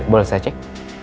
boleh saya cek